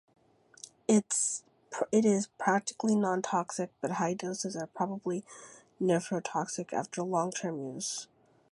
It is "practically non-toxic" but high doses are probably nephrotoxic after long-term use.